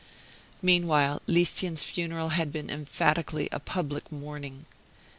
Meanwhile Lieschen's funeral had been emphatically a public mourning.